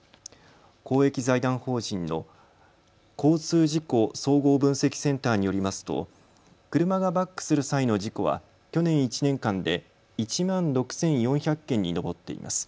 公益財団法人の交通事故総合分析センターによりますと車がバックする際の事故は去年１年間で１万６４００件に上っています。